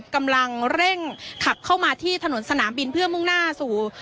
กำลังเร่งขับเข้ามาที่ถนนสนามบินเพื่อมุ่งหน้าสู่